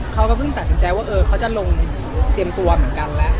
เขาก็เพิ่งตัดสินใจว่าเขาจะลงเตรียมตัวเหมือนกันแล้ว